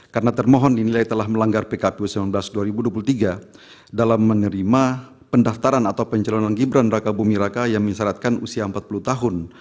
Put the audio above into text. karena termohon dinilai telah melanggar pkp dua ribu sembilan belas dua ribu dua puluh tiga dalam menerima pendaftaran atau pencelonan gibran raka bumi raka yang mensyaratkan usia empat puluh tahun